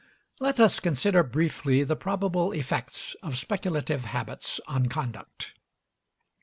Let us consider briefly the probable effects of speculative habits on conduct.